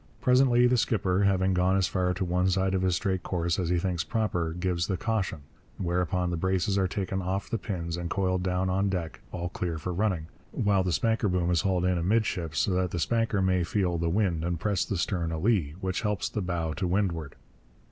Presently the skipper, having gone as far to one side of his straight course as he thinks proper, gives the caution; whereupon the braces are taken off the pins and coiled down on deck, all clear for running, while the spanker boom is hauled in amidships so that the spanker may feel the wind and press the stern a lee, which helps the bow to windward.